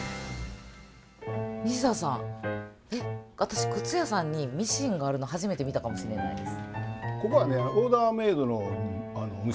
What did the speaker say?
西田さん、私靴屋さんにミシンがあるの初めて見たかもしれないです。